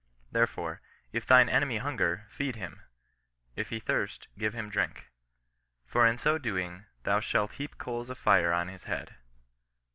Therefore, if thine enemy hunger, feed him ; if he thirst, give him drink : for in so doing thou shalt heap coals of fire on his head.